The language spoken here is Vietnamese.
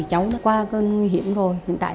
cháu nó qua cơn nguy hiểm rồi hiện tại